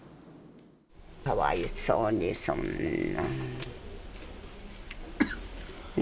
かわいそうに、そんなん。